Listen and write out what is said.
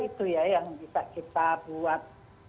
itu ya yang bisa kita buat